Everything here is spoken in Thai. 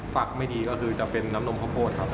ฟักไม่ดีก็คือจะเป็นน้ำนมข้าวโพดครับ